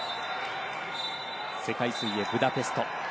世界水泳ブダペスト。